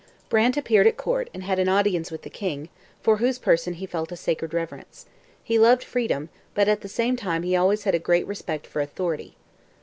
Brant appeared at court and had audience with the king, for whose person he felt a sacred reverence. He loved freedom, but at the same time he always had a great respect for authority.